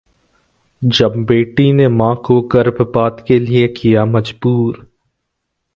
...जब बेटी ने मां को गर्भपात के लिए किया मजबूर